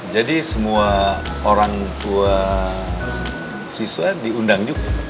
jadi semua orang tua siswa diundang juga